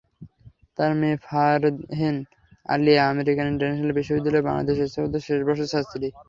তাঁর মেয়ে Farhin Aliya American International বিশ্ববিদ্যালয়—বাংলাদেশের স্থাপত্য শেষ বর্ষের ছাত্রী।